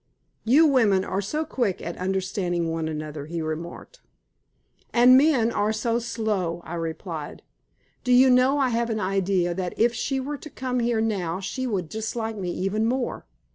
"You women are so quick at understanding one another," he remarked. "And men are so slow," I replied. "Do you know I have an idea that if she were to come here now she would dislike me even more."